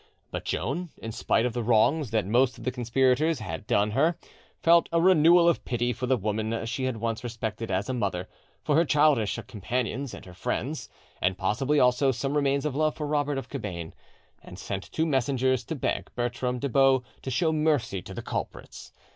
But Joan, in spite of the wrongs that most of the conspirators had done her, felt a renewal of pity for the woman she had once respected as a mother, for her childish companions and her friends, and possibly also some remains of love for Robert of Cabane, and sent two messengers to beg Bertram de Baux to show mercy to the culprits.